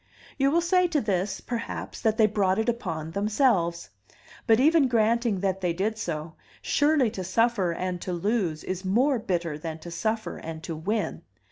You will say to this, perhaps, that they brought it upon themselves. But even granting that they did so, surely to suffer and to lose is more bitter than to suffer and to win.